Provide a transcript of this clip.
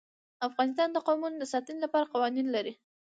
افغانستان د قومونه د ساتنې لپاره قوانین لري.